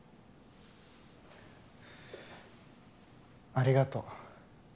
ありがとう。